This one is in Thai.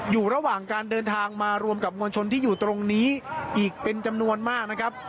อยู่ระหว่างการเดินทางมารวมกับมวลชนที่อยู่ตรงนี้อีกเป็นจำนวนมากนะครับ